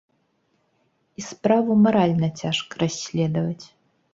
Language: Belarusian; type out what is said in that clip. І справу маральна цяжка расследаваць.